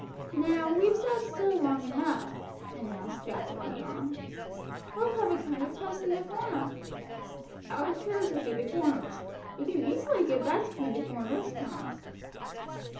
"Now we've sat still long enough," announced Jack with a yawn. "We'll have a kind of 'Puss in the Corner.' Our chairs will be the corners. We can easily get back to them before nurse comes."